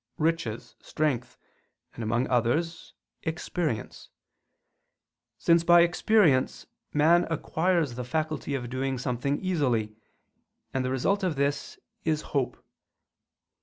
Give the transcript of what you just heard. riches, strength, and, among others, experience: since by experience man acquires the faculty of doing something easily, and the result of this is hope.